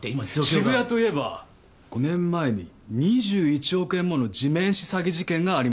渋谷といえば５年前に２１億円もの地面師詐欺事件がありました。